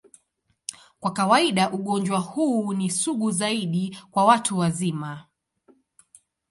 Kwa kawaida, ugonjwa huu ni sugu zaidi kwa watu wazima.